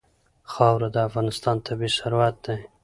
خاوره د افغانستان طبعي ثروت دی.